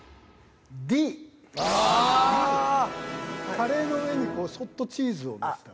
カレーの上にそっとチーズをのせた。